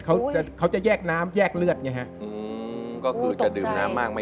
พอละ๑ขวดเล็กครับ